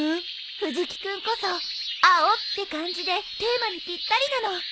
藤木君こそ青って感じでテーマにぴったりなの。